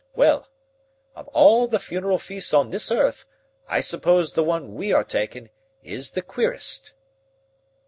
Well, of all the funeral feasts on this earth, I suppose the one we are takin' is the queerest."